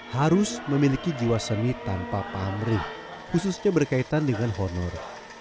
harus memiliki jiwa seni tanpa pamrih khususnya berkaitan dengan honor